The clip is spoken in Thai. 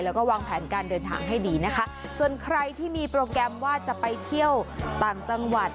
แล้วก็วางแผนการเดินทางให้ดีนะคะส่วนใครที่มีโปรแกรมว่าจะไปเที่ยวต่างจังหวัด